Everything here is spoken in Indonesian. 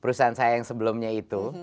perusahaan saya yang sebelumnya itu